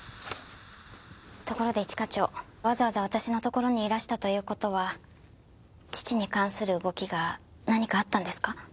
ところで一課長わざわざ私の所にいらしたという事は父に関する動きが何かあったんですか？